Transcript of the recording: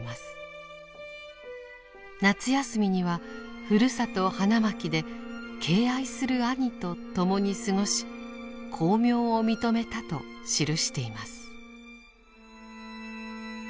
夏休みにはふるさと花巻で「敬愛する兄」と共に過ごし「光明」を認めたと記しています。